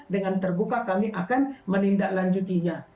dengan terbuka kami akan menindaklanjutinya